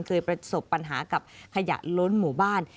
เคยประสบปัญหากับขยะล้นหมู่บ้าน